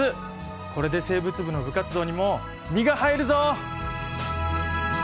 これで生物部の部活動にも身が入るぞ！